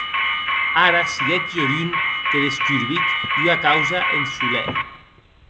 Ara siguec Jorunn que descurbic ua causa en solèr.